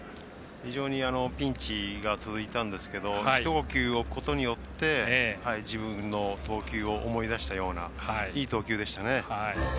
非常にピンチが続いたんですが一呼吸置くことによって自分の投球を思い出したようないい投球でしたね。